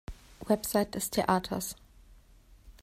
Website des Theaters